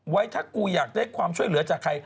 ไว้ถ้ากูอยากได้ความช่วยเหลือจากใคร